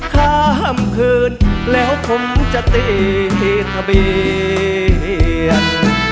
ข้ามคืนแล้วผมจะตีทะเบียน